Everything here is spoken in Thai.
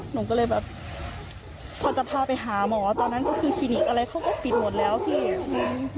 หนูก็เลยแบบพอจะพาไปหาหมอตอนนั้นก็คือคลินิกอะไรเขาก็ปิดหมดแล้วพี่อืม